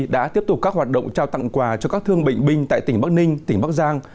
đã tiếp tục các hoạt động trao tặng quà cho các thương bệnh binh tại tỉnh bắc ninh tỉnh bắc giang